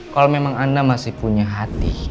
kalau memang anda masih punya hati